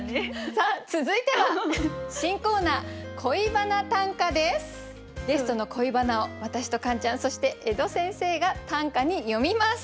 さあ続いては新コーナーゲストの恋バナを私とカンちゃんそして江戸先生が短歌に詠みます。